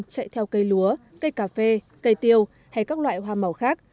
chạy theo cây lúa cây cà phê cây tiêu hay các loại hoa màu khác